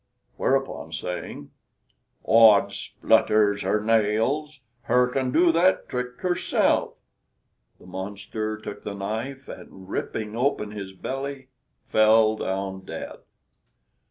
Whereupon, saying, "Odds splutters her nails, her can do that trick herself," the monster took the knife, and ripping open his belly, fell down dead.